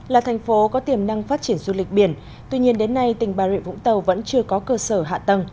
là thành phố có tiềm năng phát triển du lịch biển tuy nhiên đến nay tỉnh bà rịa vũng tàu vẫn chưa có cơ sở hạ tầng